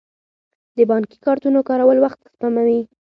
د بانکي کارتونو کارول وخت سپموي.